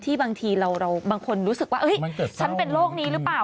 บางทีเราบางคนรู้สึกว่าฉันเป็นโรคนี้หรือเปล่า